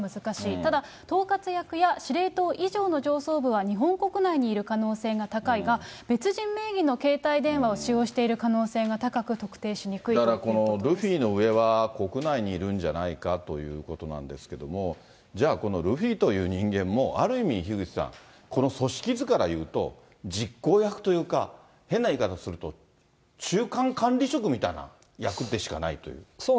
ただ、統括役や司令塔以上の上層部は日本国内にいる可能性が高いが、別人名義の携帯電話を使用している可能性が高く、だから、ルフィの上は国内にいるんじゃないかということなんですけれども、じゃあ、このルフィという人間もある意味、樋口さん、この組織図からいうと、実行役というか、変な言い方すると、中間管理職みたいな役でしかないという。